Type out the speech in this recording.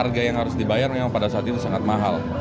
harga yang harus dibayar memang pada saat itu sangat mahal